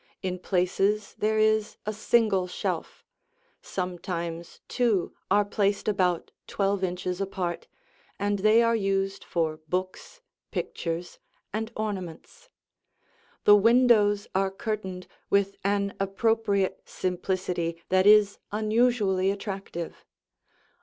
In places there is a single shelf; sometimes two are placed about twelve inches apart, and they are used for books, pictures, and ornaments. The windows are curtained with an appropriate simplicity that is unusually attractive.